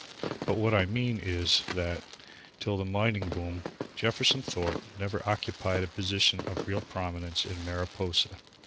But what I mean is that, till the mining boom, Jefferson Thorpe never occupied a position of real prominence in Mariposa.